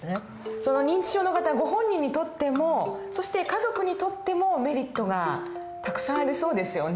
その認知症の方ご本人にとってもそして家族にとってもメリットがたくさんありそうですよね。